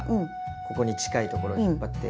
ここに近いところを引っ張って。